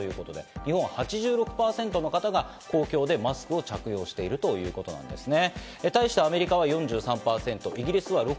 日本は８６％の方が公共でマスクを着用しているということですね。